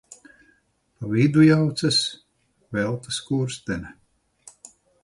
Pa vidu jaucas: Velta Skurstene.